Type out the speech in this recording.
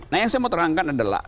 nah yang saya mau terangkan adalah